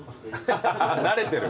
慣れてる。